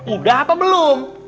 udah apa belum